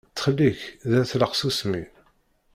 Ttxil-k da tlaq tsusmi.